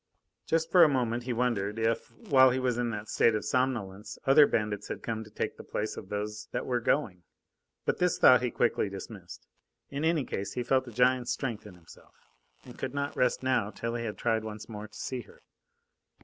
Just for a moment he wondered if, while he was in that state of somnolence, other bandits had come to take the place of those that were going. But this thought he quickly dismissed. In any case, he felt a giant's strength in himself, and could not rest now till he had tried once more to see her.